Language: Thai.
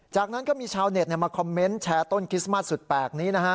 จากนั้นก็มีชาวเน็ตมาคอมเมนต์แชร์ต้นคริสต์มัสสุดแปลกนี้นะฮะ